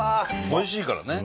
おいしいからね。